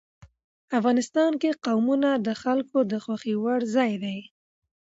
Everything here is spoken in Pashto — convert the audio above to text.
افغانستان کې قومونه د خلکو د خوښې وړ یو ځای دی.